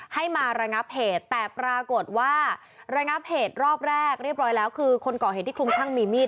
ให้มาระงับเหตุแต่ปรากฏว่าระงับเหตุรอบแรกเรียบร้อยแล้วคือคนก่อเหตุที่คลุมคลั่งมีมีด